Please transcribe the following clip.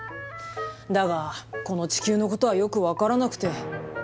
だがこの地球のことはよく分からなくて。